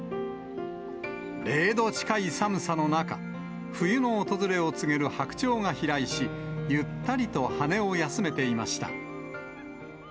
０度近い寒さの中、冬の訪れを告げる白鳥が飛来し、ゆったりと羽を休めていました。